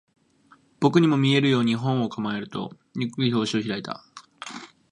僕にも見えるように、本を構えると、ゆっくり表紙を開いた